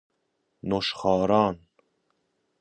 نوشخواران